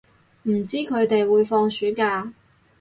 唔知佢哋會放暑假